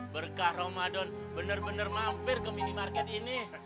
berkah ramadan bener bener mampir ke mini market ini